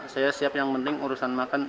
saya siap yang penting urusan makan